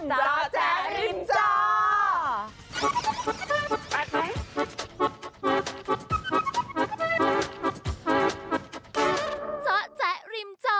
จ๊ะแจ๊ะริมจอร์